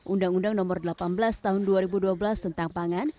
undang undang nomor delapan belas tahun dua ribu dua belas tentang pangan